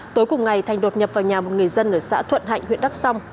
tối cùng ngày thành đột nhập vào nhà một người dân ở xã thuận hạnh huyện đắk song